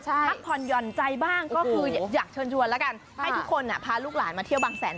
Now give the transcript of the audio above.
พักผ่อนหย่อนใจบ้างก็คืออยากเชิญชวนแล้วกันให้ทุกคนพาลูกหลานมาเที่ยวบางแสน